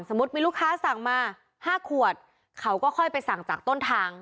มีลูกค้าสั่งมา๕ขวดเขาก็ค่อยไปสั่งจากต้นทาง